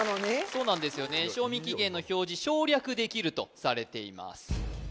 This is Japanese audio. そうなんですよね賞味期限の表示省略できるとされています